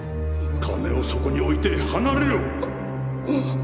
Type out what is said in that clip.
金をそこに置いて離れろ！